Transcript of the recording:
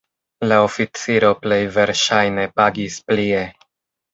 La oficiro plej verŝajne pagis plie.